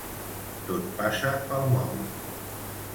Tot passa pel mòbil.